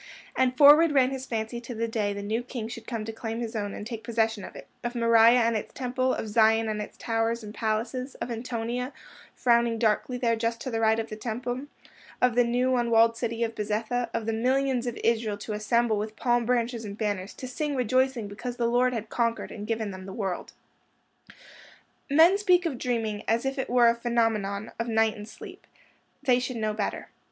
And forward ran his fancy to the day the new King should come to claim his own and take possession of it—of Moriah and its Temple; of Zion and its towers and palaces; of Antonia, frowning darkly there just to the right of the Temple; of the new unwalled city of Bezetha; of the millions of Israel to assemble with palm branches and banners, to sing rejoicing because the Lord had conquered and given them the world. Men speak of dreaming as if it were a phenomenon of night and sleep. They should know better.